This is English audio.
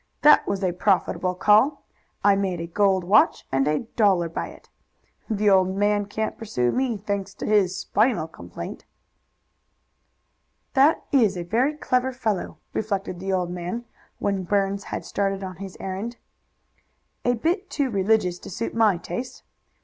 That was a profitable call. I made a gold watch and a dollar by it. The old man can't pursue me, thanks to his spinal complaint." "That is a very clever fellow," reflected the old man, when Burns had started on his errand. "A bit too religious to suit my taste.